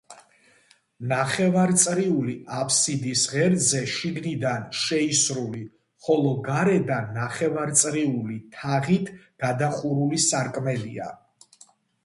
ნახევარწრიული აფსიდის ღერძზე შიგნიდან შეისრული, ხოლო გარედან ნახევარწრიული თაღით გადახურული სარკმელია.